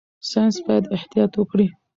ساينس باید احتیاط وکړي.